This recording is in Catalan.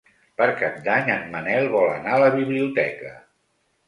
Per Cap d'Any en Manel vol anar a la biblioteca.